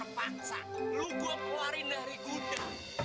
maksa lu gua keluarin dari gudang